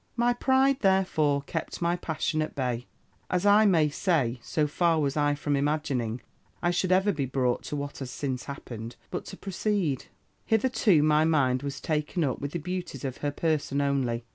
My pride, therefore, kept my passion at bay, as I may say: so far was I from imagining I should ever be brought to what has since happened! But to proceed: "Hitherto my mind was taken up with the beauties of her person only.